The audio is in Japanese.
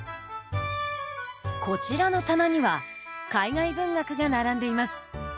こちらの棚には海外文学が並んでいます。